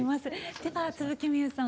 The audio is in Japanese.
では津吹みゆさん